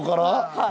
はい。